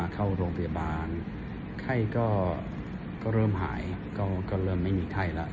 เข้าโรงพยาบาลไข้ก็เริ่มหายก็เริ่มไม่มีไข้แล้ว